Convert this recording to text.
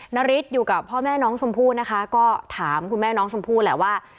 นาริสอยู่กับพ่อแม่น้องชมพู่นะคะก็ถามคุณแม่น้องชมพู่แหละว่า